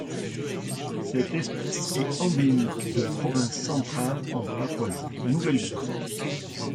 Cette espèce est endémique de la province centrale en Papouasie-Nouvelle-Guinée..